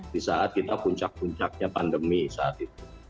di saat kita puncak puncaknya pandemi saat itu